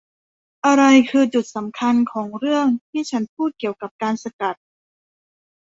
อะไรคือจุดสำคัญของเรื่องที่ฉันพูดเกี่ยวกับการสกัด ?